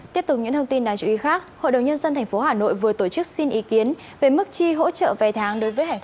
tiếp tục những thông tin đáng chú ý khác hội đồng nhân dân tp hà nội vừa tổ chức xin ý kiến về mức chi hỗ trợ về tháng